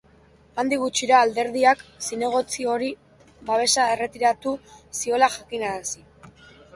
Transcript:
Handik gutxira alderdiak zinegotzi horri babesa erretiratu ziola jakinarazi zuen.